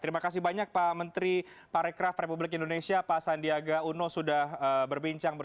terima kasih banyak pak menteri pariwisata republik indonesia